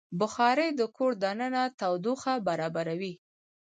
بخاري د کور دننه تودوخه برابروي.